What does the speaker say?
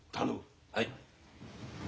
はい。